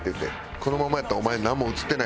「このままやったらお前なんも映ってないぞ」